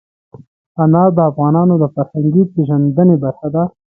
انار د افغانانو د فرهنګي پیژندنې برخه ده.